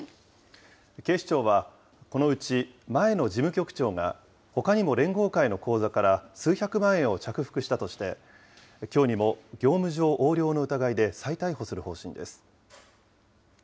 警視庁は、このうち前の事務局長が、ほかにも連合会の口座から数百万円を着服したとして、きょうにも業務上横領の疑いで再逮捕する方針です。